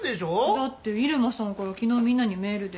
だって入間さんから昨日みんなにメールで。